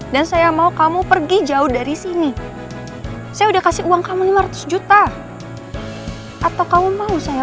dan saya mau kamu pergi jauh dari sini saya udah kasih uang kamu lima ratus juta atau kamu mau saya